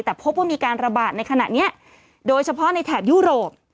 แต่พบว่ามีการระบาดในขณะนี้โดยเฉพาะในแถบยุโรป